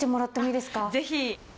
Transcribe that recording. ぜひ。